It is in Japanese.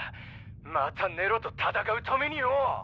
またネロと戦うためによぉ！